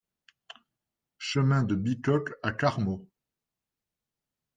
Chemin de Bicoq à Carmaux